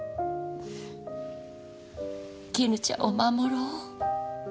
絹ちゃんを守ろう。